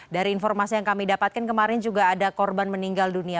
dari informasi yang kami dapatkan kemarin juga ada korban meninggal dunia